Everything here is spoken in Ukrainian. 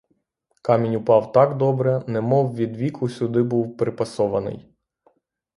Камінь упав так добре, немов від віку сюди був припасований.